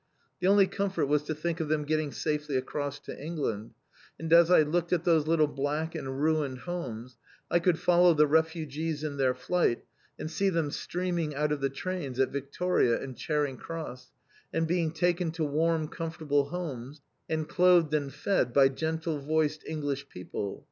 The only comfort was to think of them getting safely across to England, and as I looked at those little black and ruined homes, I could follow the refugees in their flight and see them streaming out of the trains at Victoria and Charing Cross, and being taken to warm, comfortable homes and clothed and fed by gentle voiced English people.